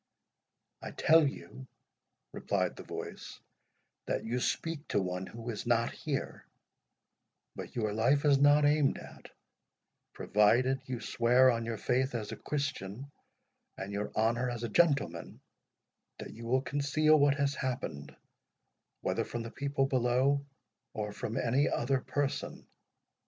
"I tell you," replied the voice, "that you speak to one who is not here; but your life is not aimed at, provided you swear on your faith as a Christian, and your honour as a gentleman, that you will conceal what has happened, whether from the people below, or from any other person.